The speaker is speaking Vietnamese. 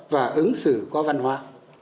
và ứng xử có văn hóa